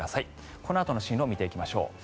このあとの進路を見ていきましょう。